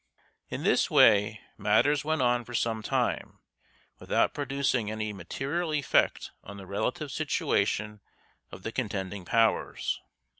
In this way, matters went on for some time without producing any material effect on the relative situation of the contending powers.